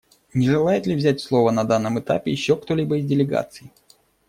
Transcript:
Не желает ли взять слово на данном этапе еще кто-либо из делегаций?